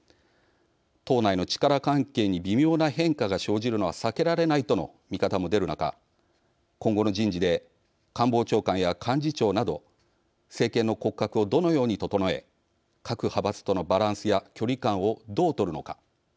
党内の力関係に微妙な変化が生じるのは避けられないとの見方も出る中今後の人事で官房長官や幹事長など政権の骨格をどのように整え各派閥とのバランスや距離感をどう取るのか。